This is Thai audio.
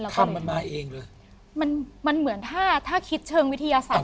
คำมันมาเองเลยมันมันเหมือนถ้าถ้าคิดเชิงวิทยาศาสต